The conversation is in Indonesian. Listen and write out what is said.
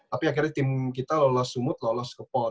tapi akhirnya tim kita lolos sumut lolos ke pon